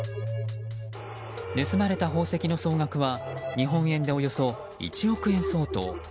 盗まれた宝石の総額は日本円でおよそ１億円相当。